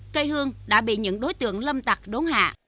cây hương đã bị những đối tượng lâm tặc đốn hạ